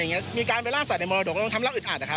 อย่างเงี้ยมีการไปล่างสัตว์ในมรดกแล้วทำแล้วอึดอัดอะครับ